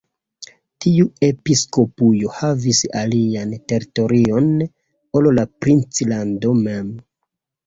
Tiu episkopujo havis alian teritorion ol la princlando mem.